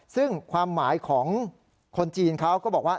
ซึ่งความหมายของคนจีนเขาก็บอกว่า